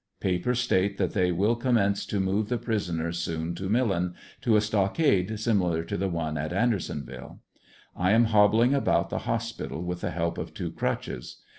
Papers state that they will commence to move the prisoners soon to Millen, to a Stockade similar to the one at Andersonville, I am hobbling about the hospital with the help of two crutches.